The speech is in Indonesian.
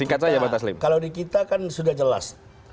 singkat saja bang taslim kalau di kita kan sudah jelas